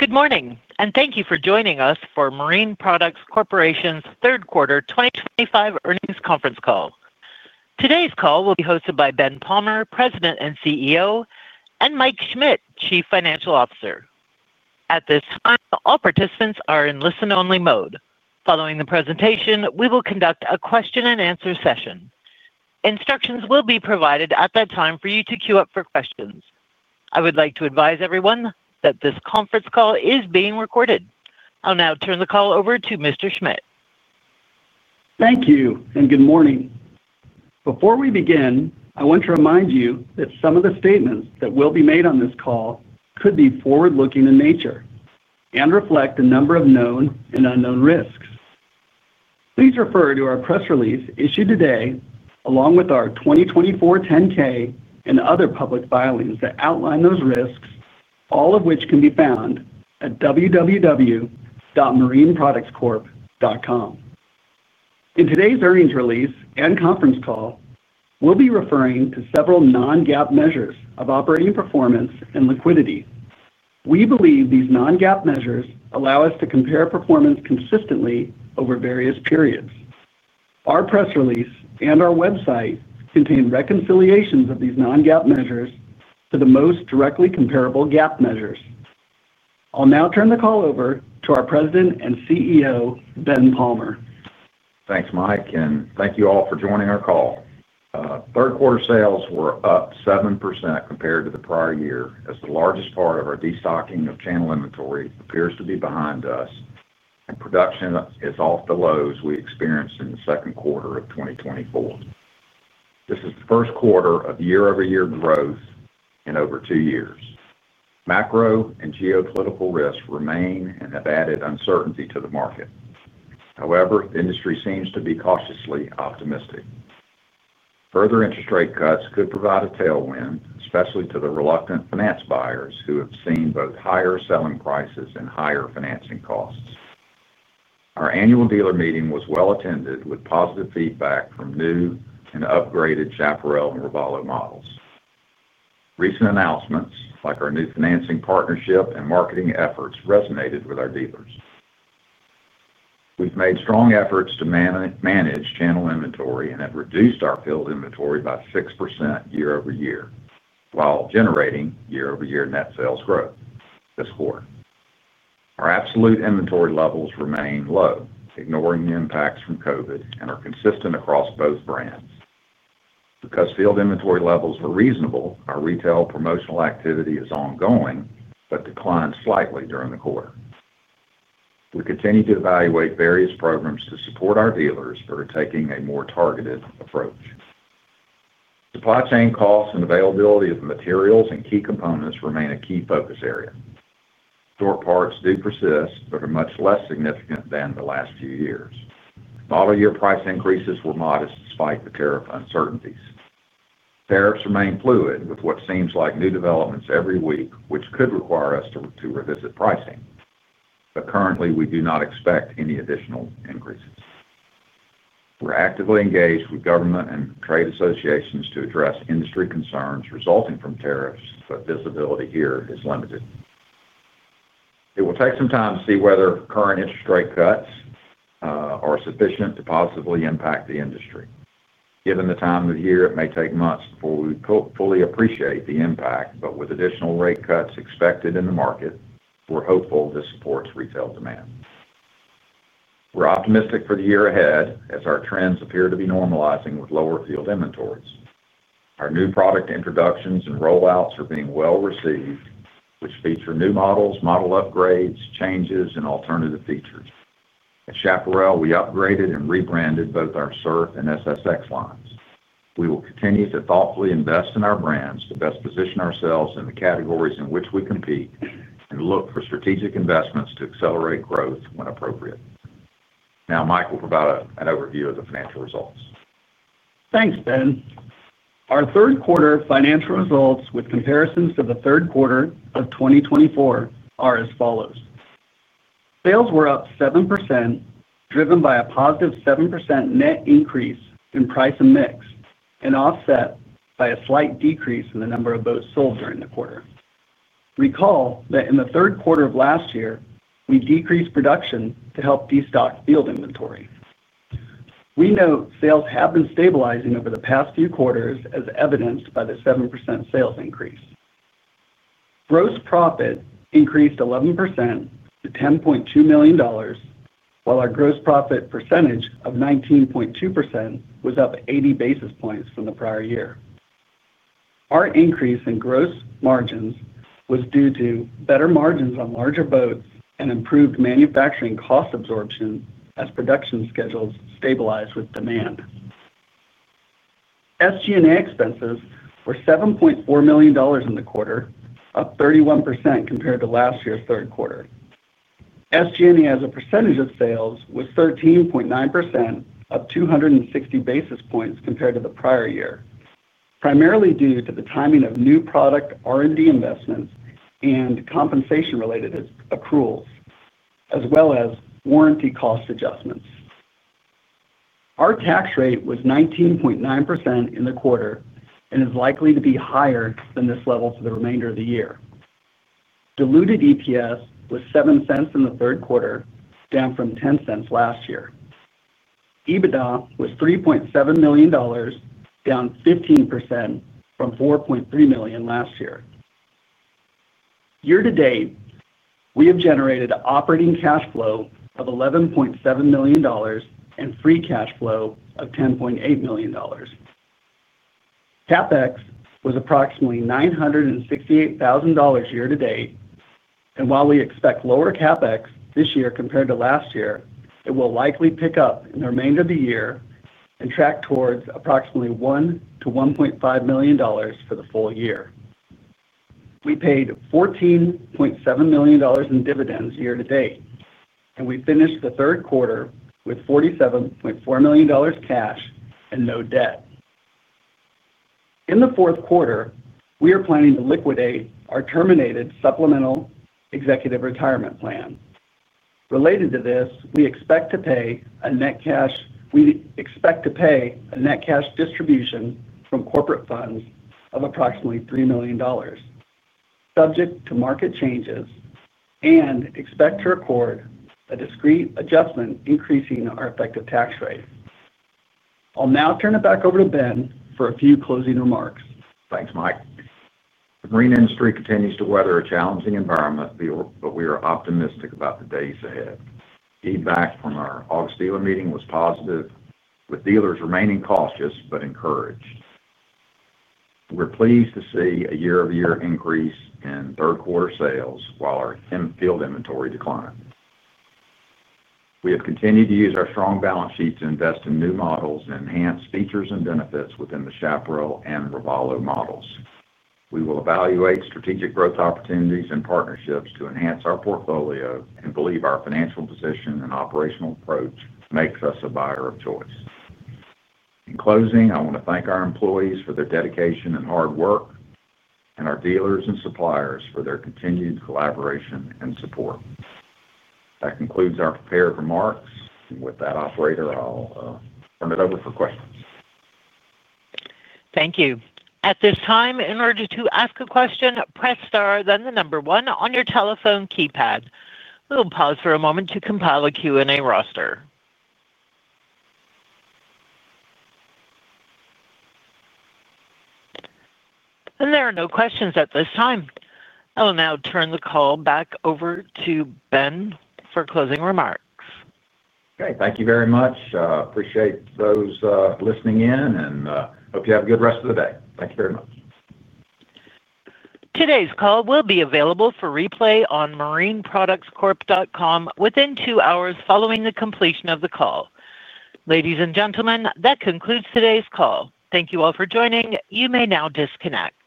Good morning and thank you for joining us for Marine Products Corporation's Third Quarter 2025 Earnings Conference Call. Today's call will be hosted by Ben Palmer, President and CEO, and Mike Schmidt, Chief Financial Officer. At this time, all participants are in listen only mode. Following the presentation, we will conduct a question and answer session. Instructions will be provided at that time for you to queue up for questions. I would like to advise everyone that this conference call is being recorded. I'll now turn the call over to Mr. Schmidt. Thank you and good morning. Before we begin, I want to remind you that some of the statements that will be made on this call could be forward-looking in nature and reflect a number of known and unknown risks. Please refer to our press release issued today along with our 2024 10-K and other public filings that outline those risks, all of which can be found at www.marineproductscorp.com. In today's earnings release and conference call, we'll be referring to several non-GAAP measures of operating performance and liquidity. We believe these non-GAAP measures allow us to compare performance consistently over various periods. Our press release and our website contain reconciliations of these non-GAAP measures to the most directly comparable GAAP measures. I'll now turn the call over to our President and CEO, Ben Palmer. Thanks, Mike, and thank you all for joining our call. Third quarter sales were up 7% compared to the prior year as the largest part of our destocking of channel inventory appears to be behind us, and production is off the lows we experienced in the second quarter of 2024. This is the first quarter of year-over-year growth in over two years. Macro and geopolitical risks remain and have added uncertainty to the market. However, the industry seems to be cautiously optimistic. Further interest rate cuts could provide a tailwind, especially to the reluctant finance buyers who have seen both higher selling prices and higher financing cost. Our annual dealer meeting was well attended with positive feedback from new and upgraded Chaparral and Robalo models. Recent announcements like our new financing, partnership, and marketing efforts resonated with our dealers. We've made strong efforts to manage channel inventory and have reduced our field inventory by 6% year-over-year while generating year-over-year net sales growth this quarter. Our absolute inventory levels remain low, ignoring the impacts from COVID, and are consistent across both brands. Because field inventory levels were reasonable, our retail promotional activity is ongoing but declined slightly during the quarter. We continue to evaluate various programs to support our dealers who are taking a more targeted approach. Supply chain costs and availability of materials and key components remain a key focus area. Store parts do persist, but are much less significant than the last few years. Model year price increases were modest despite the tariff uncertainties. Tariffs remain fluid with what seems like new developments every week, which could require us to revisit pricing, but currently we do not expect any additional increases. We're actively engaged with government and trade associations to address industry concerns resulting from tariffs, but visibility here is limited. It will take some time to see whether current interest rate cuts are sufficient to positively impact the industry. Given the time of year, it may take months before we fully appreciate the impact, but with additional rate cuts expected in the market, we're hopeful this supports retail demand. We're optimistic for the year ahead as our trends appear to be normalizing with lower field inventories. Our new product introductions and rollouts are being well received, which feature new models, model upgrades, changes, and alternative features. At Chaparral, we upgraded and rebranded both our CERF and SSX lines. We will continue to thoughtfully invest in our brands to best position ourselves in the categories in which we compete and look for strategic investments to accelerate growth when appropriate. Now Mike will provide an overview of the financial results. Thanks Ben. Our third quarter financial results with comparisons to the third quarter of 2024 are as follows. Sales were up 7%, driven by a positive 7% net increase in price and mix and offset by a slight decrease in the number of boats sold during the quarter. Recall that in the third quarter of last year we decreased production to help destock field inventory. We note sales have been stabilizing over the past few quarters as evidenced by the 7% sales increase. Gross profit increased 11% to $10.2 million, while our gross profit percentage of 19.2% was up 80 basis points from the prior year. Our increase in gross margin was due to better margins on larger boats and improved manufacturing cost absorption as production schedules stabilized with demand. SG&A expenses were $7.4 million in the quarter, up 31% compared to last year's third quarter. SG&A as a percentage of sales was 13.9%, up 260 basis points compared to the prior year, primarily due to the timing of new product R&D investments and compensation accruals as well as warranty cost adjustments. Our tax rate was 19.9% in the quarter and is likely to be higher than this level for the remainder of the year. Diluted EPS was $0.07 in the third quarter, down from $0.10 last year. EBITDA was $3.7 million, down 15% from $4.3 million last year. Year to date, we have generated operating cash flow of $11.7 million and free cash flow of $10.8 million. CapEx was approximately $968,000 year to date and while we expect lower CapEx this year compared to last year, it will likely pick up in the remainder of the year and track towards approximately $1 million-$1.5 million for the full year. We paid $14.7 million in dividends year to date and we finished the third quarter with $47.4 million cash and no debt. In the fourth quarter, we are planning to liquidate our terminated supplemental executive retirement plan. Related to this, we expect to pay a net cash distribution from corporate funds of approximately $3 million subject to market changes and expect to record a discrete adjustment increasing our effective tax rate. I'll now turn it back over to Ben for a few closing remarks. Thanks, Mike. The Marine industry continues to weather a challenging environment, but we are optimistic about the days ahead. Feedback from our August dealer meeting was positive, with dealers remaining cautious but encouraged. We're pleased to see a year-over-year increase in third quarter sales while our field inventory declined. We have continued to use our strong balance sheet to invest in new models and enhance features and benefits within the Chaparral and Robalo models. We will evaluate strategic growth opportunities and partnerships to enhance our portfolio and believe our financial position and operational approach makes us a buyer of choice. In closing, I want to thank our employees for their dedication and hard work and our dealers and suppliers for their continued collaboration and support. That concludes our prepared remarks and with that operator, I'll turn it over for questions. Thank you. At this time, in order to ask a question, press star, then the number one on your telephone keypad. We'll pause for a moment to compile a Q&A roster, and there are no questions at this time. I will now turn the call back over to Ben for closing remarks. Okay, thank you very much. Appreciate those listening in and hope you have a good rest of the day. Thank you very much. Today's call will be available for replay on marineproductscorp.com within two hours following the completion of the call. Ladies and gentlemen, that concludes today's call. Thank you all for joining. You may now disconnect.